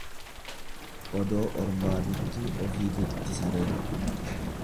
Odoo ormaa duttuu ofii dutti sareen.